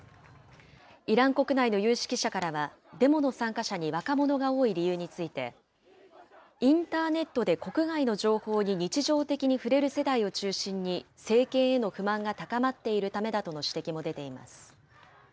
イラン国内の有識者からは、デモの参加者に若者が多い理由について、インターネットで国外の情報に日常的に触れる世代を中心に、政権への不満が高まっているためだとの指摘も出ています。